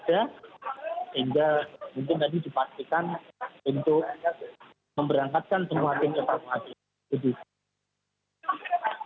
sehingga mungkin tadi dipastikan untuk memberangkatkan semua tim evakuasi